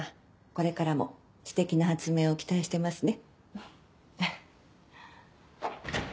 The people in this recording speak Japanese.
これからもステキな発明を期待してますね。